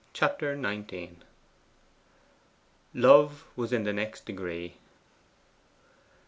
Chapter XIX 'Love was in the next degree.